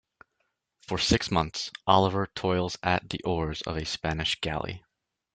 For six months Oliver toils at the oars of a Spanish galley.